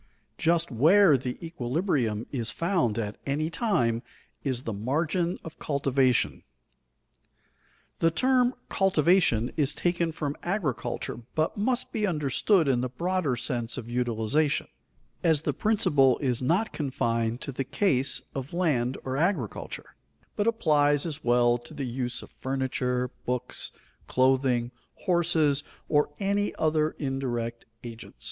Just where the equilibrium is found at any time is the margin of cultivation. The term "cultivation" is taken from agriculture but must be understood in the broader sense of utilization, as the principle is not confined to the case of land or agriculture, but applies as well to the use of furniture, books, clothing, horses, or any other indirect agents.